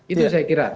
itu saya kira